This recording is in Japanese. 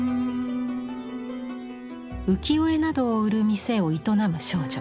浮世絵などを売る店を営む少女。